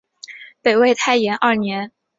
北魏太延二年。